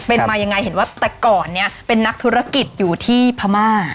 เป็นมายังไงเห็นว่าแต่ก่อนเนี่ยเป็นนักธุรกิจอยู่ที่พม่า